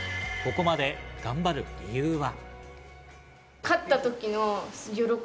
ここまで頑張る理由は。